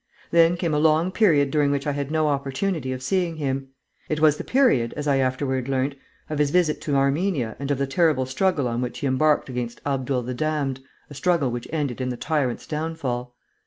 Then came a long period during which I had no opportunity of seeing him. It was the period, as I afterward learnt, of his visit to Armenia and of the terrible struggle on which he embarked against Abdul the Damned, a struggle which ended in the tyrant's downfall.